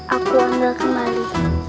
aku enggak kenali